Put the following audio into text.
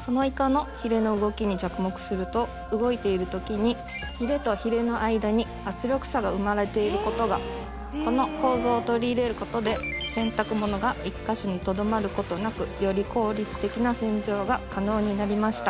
そのイカのヒレの動きに着目すると動いているときにヒレとヒレの間に圧力差が生まれていることがこの構造を取り入れることで洗濯物が１か所にとどまることなくより効率的な洗浄が可能になりました